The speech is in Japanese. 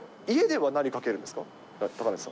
家では何かけるんですか？